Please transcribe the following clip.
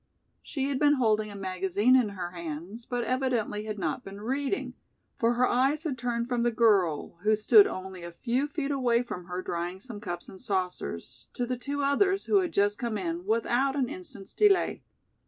She had been holding a magazine in her hands, but evidently had not been reading, for her eyes had turned from the girl, who stood only a few feet away from her drying some cups and saucers, to the two others who had just come in, without an instant's delay.